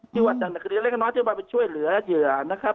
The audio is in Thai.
ที่ว่าจากคดีเร่งน้อยที่ว่าไปช่วยเหลือเหยื่อนะครับ